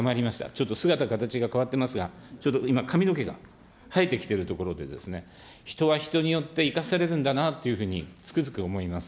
ちょっと姿かたちが変わっておりますが、今、髪の毛が生えてきているところでありまして、人は人によって生かされるんだなっていうふうにつくづく思います。